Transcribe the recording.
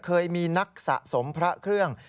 เคยมีนักสะสมพระเครื่อง